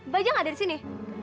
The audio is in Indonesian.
baja gak ada disini